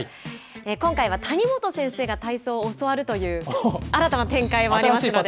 今回は谷本先生が体操を教わるという、新たな展開もありますので。